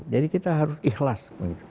jadi kita harus ikhlas